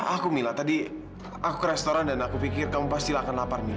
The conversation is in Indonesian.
aku mila tadi aku ke restoran dan aku pikir kamu pastilah akan lapar mila